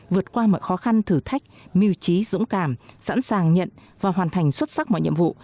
vượt qua mọi khó khăn thử thách mưu trí dũng cảm sẵn sàng nhận và hoàn thành xuất sắc mọi nhiệm vụ